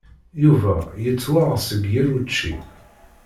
Yuba yettwaɣ seg yir učči.